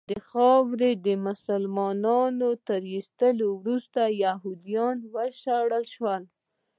له خاورې د مسلمانانو تر ایستلو وروسته یهودیان وشړل سول.